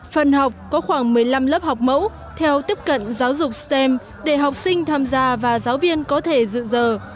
phần học có khoảng một mươi năm lớp học mẫu theo tiếp cận giáo dục stem để học sinh tham gia và giáo viên có thể dự dờ